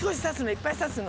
いっぱいさすの。